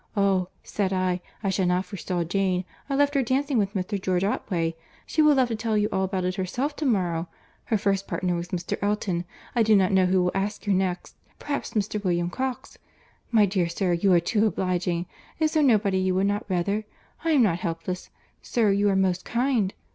'Oh!' said I, 'I shall not forestall Jane; I left her dancing with Mr. George Otway; she will love to tell you all about it herself to morrow: her first partner was Mr. Elton, I do not know who will ask her next, perhaps Mr. William Cox.' My dear sir, you are too obliging.—Is there nobody you would not rather?—I am not helpless. Sir, you are most kind.